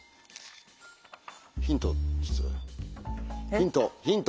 ヒントヒント！